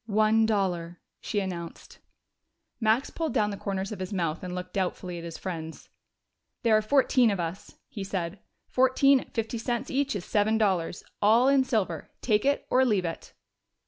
"One dollar," she announced. Max pulled down the corners of his mouth and looked doubtfully at his friends. "There are fourteen of us," he said. "Fourteen at fifty cents each is seven dollars. All in silver.... Take it or leave it."